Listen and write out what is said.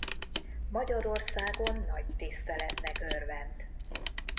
Magyarországon nagy tiszteletnek örvend.